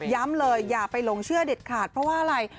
เลยอย่าไปหลงเชื่อเด็ดขาดเพราะว่าอะไร